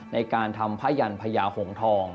ในการทำพระยรพญาหงฐอง